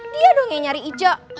dia doang yang nyari ica